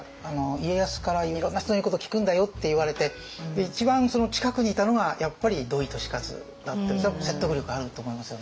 家康から「いろんな人の言うことを聞くんだよ」って言われて一番その近くにいたのがやっぱり土井利勝だっていうのはそれは説得力あると思いますよね。